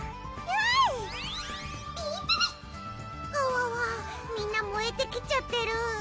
ピーピピ！はわわみんなもえてきちゃってる